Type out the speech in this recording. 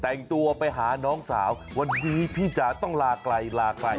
แต่งตัวไปหาน้องสาววันนี้พี่จ๋าต้องลาไกลลาไกล